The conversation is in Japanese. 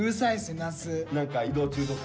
何か移動中とか？